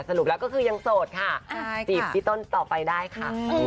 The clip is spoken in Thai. สรุปแล้วก็คือยังโสดค่ะจีบพี่ต้นต่อไปได้ค่ะ